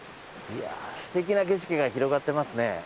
いやぁすてきな景色が広がっていますね。